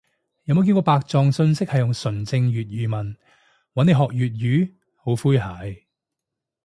有冇見過白撞訊息係用純正粵語問，搵你學粵語？好詼諧